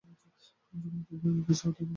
যখন প্রতিফলক নিকৃষ্ট হয়, তখন প্রতিফলনও মন্দ হইবে।